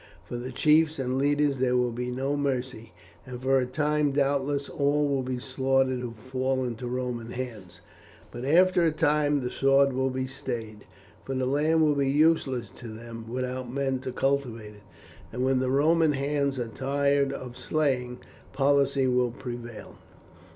For the chiefs and leaders there will be no mercy, and for a time doubtless all will be slaughtered who fall into the Roman hands; but after a time the sword will be stayed, for the land will be useless to them without men to cultivate it, and when the Roman hands are tired of slaying, policy will prevail.